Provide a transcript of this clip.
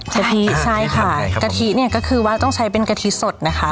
กะทิใช่ค่ะกะทิเนี่ยก็คือว่าต้องใช้เป็นกะทิสดนะคะ